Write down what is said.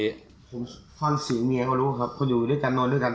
ผมฟังเสียงเมียเขารู้ครับเขาอยู่ด้วยกันนอนด้วยกัน